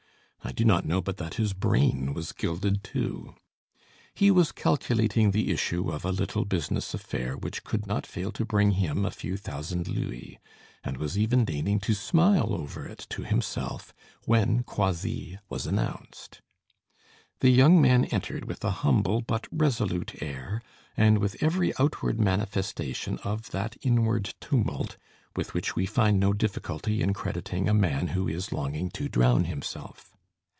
I do not know but that his brain was gilded too. He was calculating the issue of a little business affair which could not fail to bring him a few thousand louis; and was even deigning to smile over it to himself when Croisilles was announced. The young man entered with an humble, but resolute air, and with every outward manifestation of that inward tumult with which we find no difficulty in crediting a man who is longing to drown himself.